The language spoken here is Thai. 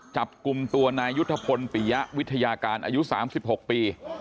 จับกลุ่มตัวนายยุทธพลปิยะวิทยาการอายุ๓๖ปี